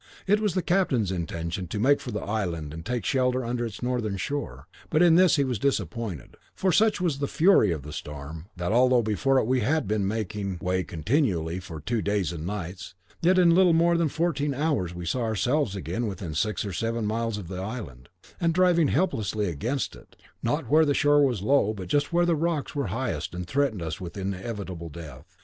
"It was the captain's intention to make for the island and take shelter under its northern shore, but in this he was disappointed; for such was the fury of the storm that although before it we had been making way continually for two days and nights, yet in little more than fourteen hours we saw ourselves again within six or seven miles of the island, and driving helplessly against it, not where the shore was low, but just where the rocks were highest and threatened us with inevitable death.